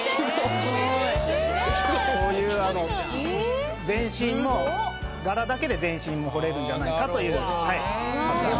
こういう全身も柄だけで全身も彫れるんじゃないかという。